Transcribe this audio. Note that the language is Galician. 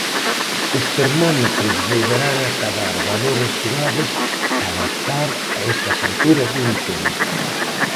Os termómetros volverán acadar valores suaves para estar a estas alturas do outono.